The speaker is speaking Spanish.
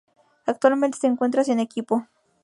Actualmente se encuentra sin equipo